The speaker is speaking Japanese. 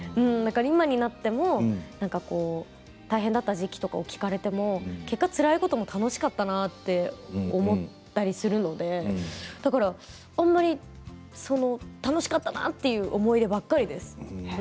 今になっても大変だった時期とかを聞かれても結果、つらいことも楽しかったなって思ったりするのでだからあんまり楽しかったなという思い出ばかりです